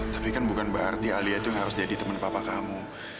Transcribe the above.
tapi kan bukan berarti alia itu yang harus jadi teman papa kamu